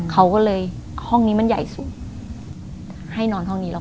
เขาก็เลยห้องนี้มันใหญ่สูงให้นอนห้องนี้แล้ว